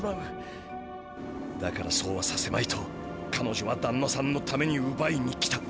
だからそうはさせまいとかのじょはだんなさんのためにうばいに来た。